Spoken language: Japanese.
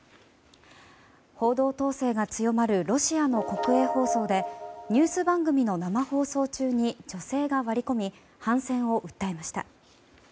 報道統制が強まるロシアの国営放送でニュース番組の生放送中に女性が割り込み反戦を訴えました。